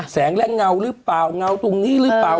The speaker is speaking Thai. แสงและเงาหรือเปล่าเงาตรงนี้หรือเปล่า